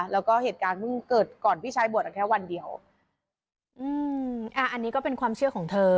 แล้วก็เหตุการณ์เพิ่งเกิดก่อนพี่ชายบวชแค่วันเดียวอืมอ่าอันนี้ก็เป็นความเชื่อของเธอ